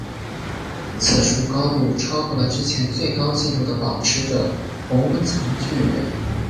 此树高度超过了之前最高纪录的保持者同温层巨人。